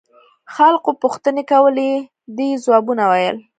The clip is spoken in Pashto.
خلقو پوښتنې کولې ده يې ځوابونه ويل.